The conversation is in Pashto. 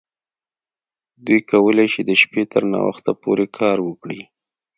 دوی کولی شي د شپې تر ناوخته پورې کار وکړي